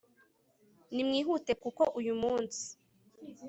nimwihute kuko uyu munsi